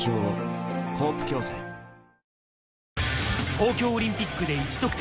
東京オリンピックで１得点。